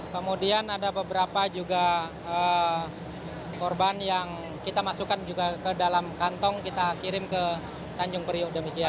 kemudian ada beberapa juga korban yang kita masukkan juga ke dalam kantong kita kirim ke tanjung priuk demikian